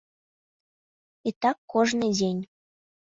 І так кожны дзень.